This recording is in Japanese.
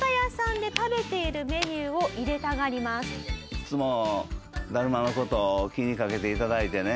いつもだるまの事を気にかけて頂いてね